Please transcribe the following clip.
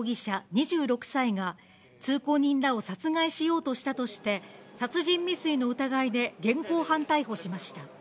２６歳が、通行人らを殺害しようとしたとして、殺人未遂の疑いで現行犯逮捕しました。